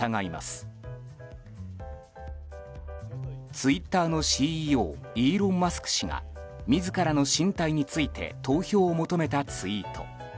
ツイッターのＣＥＯイーロン・マスク氏が自らの進退について投票を求めたツイート。